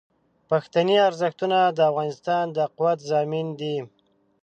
پښتني ارزښتونه د افغانستان د قوت ضامن دي.